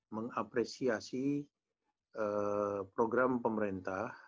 mengapresiasi program pemerintah